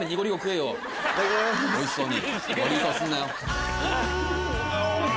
おいしそうに。